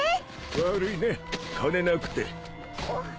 悪いね金なくて